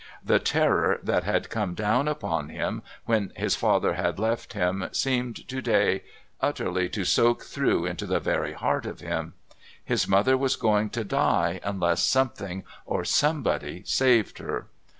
The terror that had come down upon him when his father had left him seemed to day utterly to soak through into the very heart of him. His mother was going to die unless something or somebody saved her.